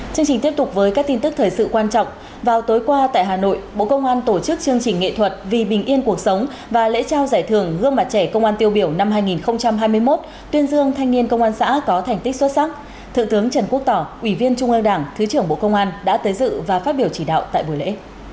chương trình tiếp tục với các tin tức thời sự quan trọng vào tối qua tại hà nội bộ công an tổ chức chương trình nghệ thuật vì bình yên cuộc sống và lễ trao giải thưởng gương mặt trẻ công an tiêu biểu năm hai nghìn hai mươi một tuyên dương thanh niên công an xã có thành tích xuất sắc thượng tướng trần quốc tỏ ủy viên trung ương đảng thứ trưởng bộ công an đã tới dự và phát biểu chỉ đạo tại buổi lễ